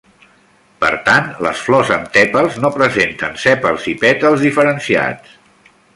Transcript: Per tant, les flors amb tèpals no presenten sèpals i pètals diferenciats.